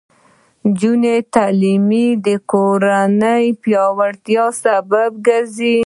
د نجونو تعلیم د کورنۍ پیاوړتیا سبب ګرځي.